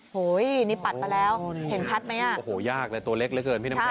โหยนี่ปัดมาแล้วเห็นชัดไหมอ่ะโอ้โหยากเลยตัวเล็กเหลือเกินพี่น้ำข็